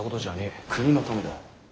国のためだ。